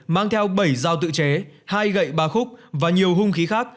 mang theo bảy dao tự chế hai gậy ba khúc và nhiều hung khí khác